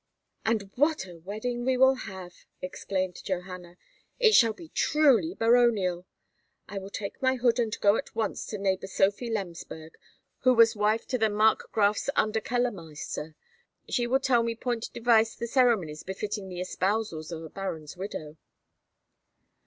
"And what a wedding we will have!" exclaimed Johanna; "it shall be truly baronial. I will take my hood and go at once to neighbour Sophie Lemsberg, who was wife to the Markgraf's Under Keller Meister. She will tell me point device the ceremonies befitting the espousals of a baron's widow."